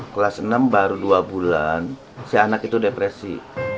kelas enam baru dua bulan si anak itu depresi